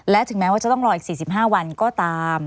และถึงแม้ว่าจะต้องรออีก๔๕วันก็ตาม